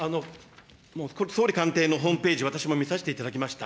総理官邸のホームページ、私も見させていただきました。